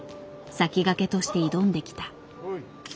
先駆けとして挑んできた。